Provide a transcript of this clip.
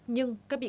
nhưng các bị can